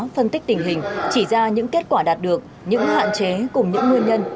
phân tích tình hình chỉ ra những kết quả đạt được những hạn chế cùng những nguyên nhân